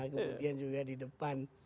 kemudian juga di depan